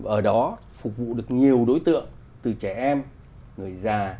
ở đó phục vụ được nhiều đối tượng từ trẻ em người già